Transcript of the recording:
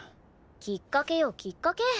きっかけよきっかけ。